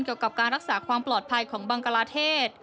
เกี่ยวกับการรักษาความปลอดภัยของบังกลาเทศ